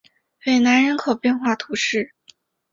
韦南人口变化图示